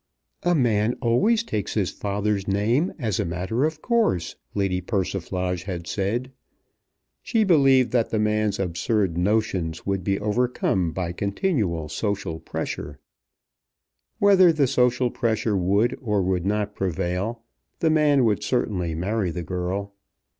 "A man always takes his father's name as a matter of course," Lady Persiflage had said. She believed that the man's absurd notions would be overcome by continual social pressure. Whether the social pressure would or would not prevail, the man would certainly marry the girl.